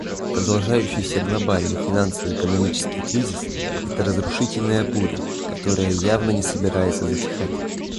Продолжающийся глобальный финансово-экономический кризис — это разрушительная буря, которая явно не собирается затихать.